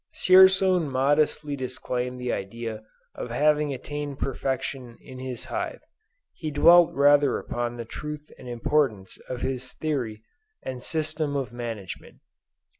Dzierzon modestly disclaimed the idea of having attained perfection in his hive. He dwelt rather upon the truth and importance of his theory and system of management."